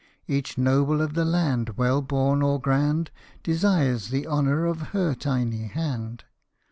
Each noble of the land, well born or grand, Desires the honour of her tiny hand.